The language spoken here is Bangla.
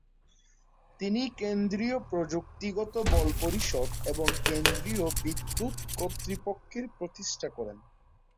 তিনি কেন্দ্রীয় প্রযুক্তিগত বল পরিষদ এবং কেন্দ্রীয় বিদ্যুত কর্তৃপক্ষের প্রতিষ্ঠা করেন।